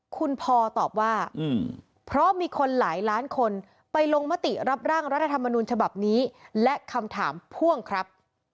คุณพอตอบว่าเพราะมีคนหลายล้านคนไปลงมติรับร่างรัฐธรรมนูญฉบับนี้และคำถามพ่วงครับ